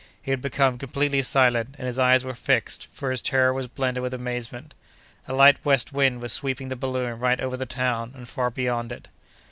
He had become completely silent, and his eyes were fixed, for his terror was blended with amazement. A light west wind was sweeping the balloon right over the town, and far beyond it.